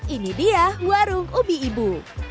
ini dia warung ubi ibu